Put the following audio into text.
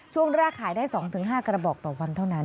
ช่วงแรกขายได้๒๕กระบอกต่อวันเท่านั้น